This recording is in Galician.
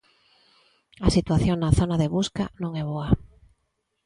A situación na zona de busca non é boa.